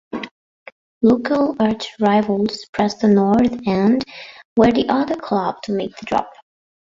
Local arch-rivals Preston North End were the other club to make the drop.